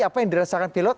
apa yang dirasakan pilot